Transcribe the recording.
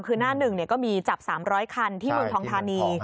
คือหน้าหนึ่งก็มีจับ๓๐๐คันที่เมืองทองธานี